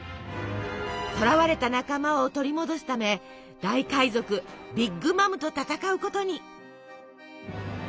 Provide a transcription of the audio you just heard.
捕らわれた仲間を取り戻すため大海賊ビッグ・マムと戦うことに。